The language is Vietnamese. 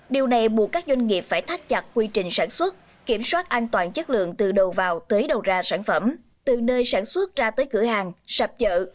điều này buộc các doanh nghiệp phải thắt chặt quy trình sản xuất kiểm soát an toàn chất lượng từ đầu vào tới đầu ra sản phẩm từ nơi sản xuất ra tới cửa hàng sạp chợ